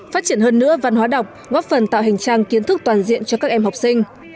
phát triển hơn nữa văn hóa đọc góp phần tạo hành trang kiến thức toàn diện cho các em học sinh